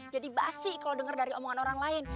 jadi basi kalau dengar dari omongan orang lain